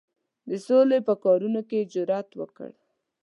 د سولي په کارونو کې یې جرأت وکړ.